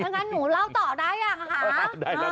งั้นหนูเล่าต่อได้หรือเปล่า